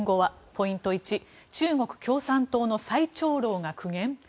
ポイント１中国共産党の最長老が苦言？